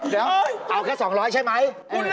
เดี๋ยวเอาแค่สองร้อยใช่ไหม